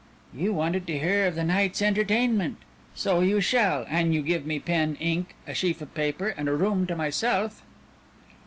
"You wanted to hear of the night's entertainment. So you shall, an you give me pen, ink, a sheaf of paper, and a room to myself."